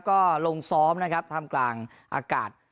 ก็ลงซ้อมนะครับทำกลางอากาศ